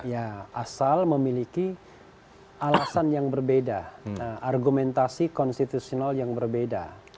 ya asal memiliki alasan yang berbeda argumentasi konstitusional yang berbeda